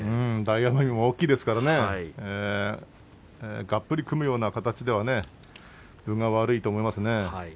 大奄美は大きいですからがっぷりと組むような形では分が悪いと思います。